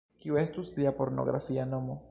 Kiu estus lia pornografia nomo?